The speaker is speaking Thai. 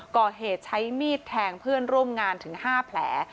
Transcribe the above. ก่อเหตุใช้มีดแทงเพื่อนร่วมงานถึง๕แผล